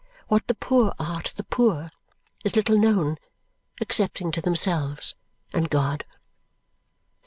What the poor are to the poor is little known, excepting to themselves and God.